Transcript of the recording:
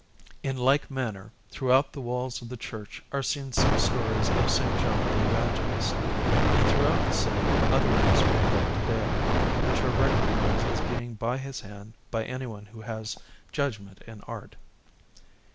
In like manner, throughout the walls of the church are seen some stories of S. John the Evangelist, and throughout the city other works made by Taddeo, which are recognized as being by his hand by anyone who has judgment in art.